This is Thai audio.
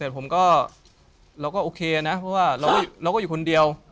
แต่ผมก็เราก็โอเคนะเพราะว่าเราก็อยู่คนเดียว